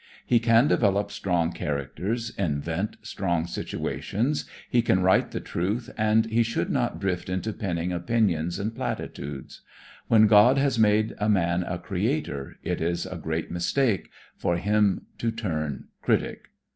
He can develop strong characters, invent strong situations, he can write the truth and he should not drift into penning opinions and platitudes. When God has made a man a creator, it is a great mistake for him to turn critic.